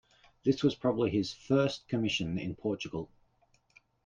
This was probably his first commission in Portugal.